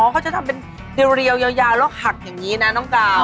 เขาจะทำเป็นเรียวยาวแล้วหักอย่างนี้นะน้องกาว